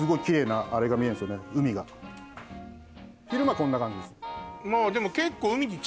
昼間こんな感じです。